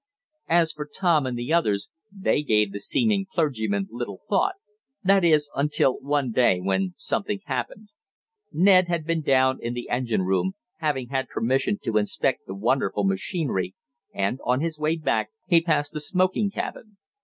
As for Tom and the others, they gave the seeming clergyman little thought that is until one day when something happened. Ned had been down in the engine room, having had permission to inspect the wonderful machinery, and, on his way back he passed the smoking cabin.